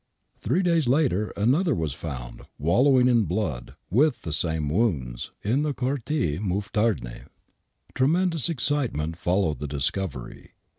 Three days later another was found wallowing in blood,, with the same wounds, in the Quartier Mouffetarde. Tremedous excitement followed the discovery.